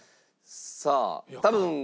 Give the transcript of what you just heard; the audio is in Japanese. さあ多分。